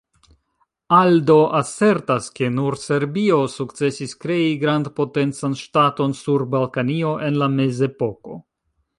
Aldo asertas, ke nur Serbio sukcesis krei grandpotencan ŝtaton sur Balkanio en la mezepoko.